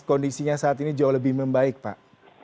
kondisinya saat ini jauh lebih membaik pak